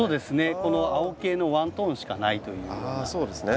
この青系のワントーンしかないというような感じですね。